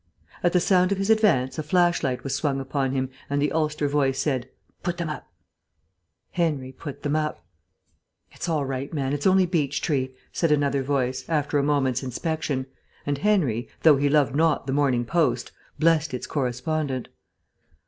At the sound of his advance a flashlight was swung upon him, and the Ulster voice said, "Put them up!" Henry put them up. "It's all right, man. It's only Beechtree," said another voice, after a moment's inspection, and Henry, though he loved not the Morning Post, blessed its correspondent.